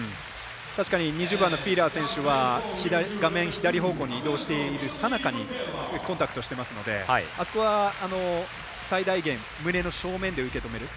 確かに２０番のフィーラー選手は左に移動しているさなかにコンタクトしていますのであそこは、最大限胸の正面で受け止める。